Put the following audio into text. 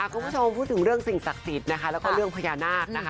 คุณผู้ชมพูดถึงเรื่องสิ่งศักดิ์สิทธิ์นะคะแล้วก็เรื่องพญานาคนะคะ